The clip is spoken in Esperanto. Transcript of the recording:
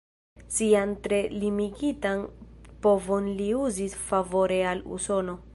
Sian tre limigitan povon li uzis favore al Usono.